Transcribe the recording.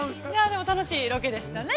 でも、楽しいロケでしたね。